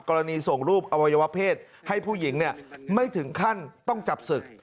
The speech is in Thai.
กรณีส่งรูปอวัยวะเพศให้ผู้หญิงไม่ถึงขั้นต้องจับศึก